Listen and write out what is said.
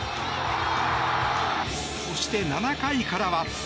そして７回からは。